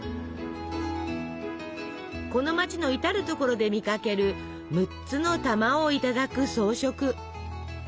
この街の至る所で見かける６つの玉をいただく装飾。